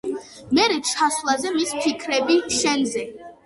მერე ჩასვლაზე მის ფიქრები შენზე.